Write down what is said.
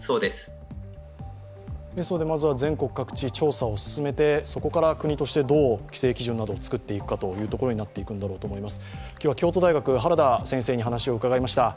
まずは全国各地、調査を進めてそこから国としてどう規制基準などを作っていくんだろうと思います。